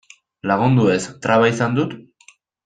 Lagundu ez, traba izan dut?